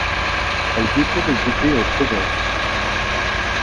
Elles étaient regroupées en provinces.